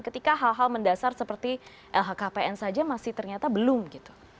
ketika hal hal mendasar seperti lhkpn saja masih ternyata belum gitu